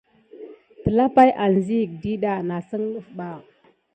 Telapay anziga ɗiɗɑ nà sine ɗef bà.